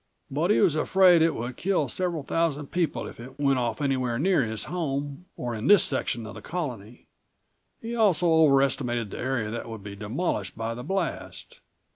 But he was afraid it would kill several thousand people if it went off anywhere near his home, or in this section of the Colony. He also over estimated the area that would be demolished by the blast.